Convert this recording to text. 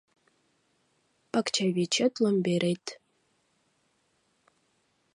Пакчавечет ломберет